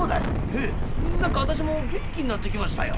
「へえ何か私も元気になってきましたよ」。